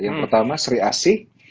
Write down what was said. yang pertama sri asih